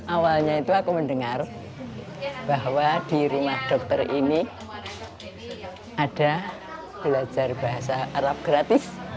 awalnya itu aku mendengar bahwa di rumah dokter ini ada belajar bahasa arab gratis